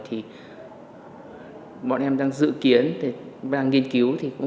thì bọn em đang dự kiến đang nghiên cứu